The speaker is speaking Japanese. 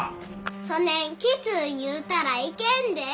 そねんきつう言うたらいけんで。